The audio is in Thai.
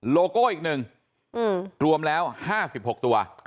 โลโก้อีก๑รวมแล้ว๕๖ตัว